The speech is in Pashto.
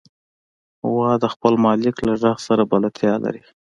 غوا د خپل مالک له غږ سره بلدتیا لري.